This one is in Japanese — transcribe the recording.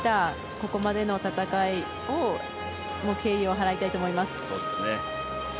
ここまでの戦いに敬意を払いたいと思います。